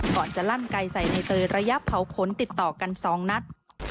ก่อนจะลั่นไกลใส่ในเตยระยะเผาขนติดต่อกัน๒นัด